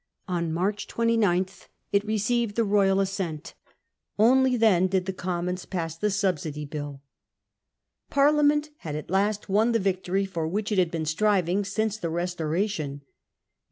On March 29 it shattered. received the royal assent. Only then did the Commons pass the Subsidy Bill. Parliament had at last won the victory for which it had been striving since the Restoration.